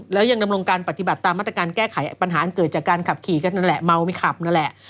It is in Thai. และยังดำรวงการปฏิบัติดีตามมาตรการแก้ไขปัญหาอันเกิดมาจากการขับขี่